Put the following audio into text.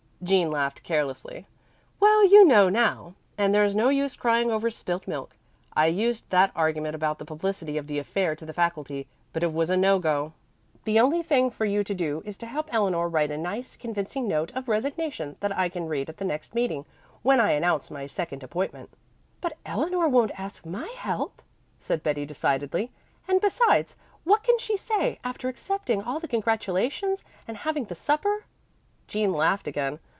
Jean laughed carelessly. "Well, you know now, and there's no use crying over spilt milk. I used that argument about the publicity of the affair to the faculty, but it was no go. So the only thing for you to do is to help Eleanor write a nice, convincing note of resignation that I can read at the next meeting, when I announce my second appointment." "But Eleanor won't ask my help," said Betty decidedly, "and, besides, what can she say, after accepting all the congratulations, and having the supper?" Jean laughed again.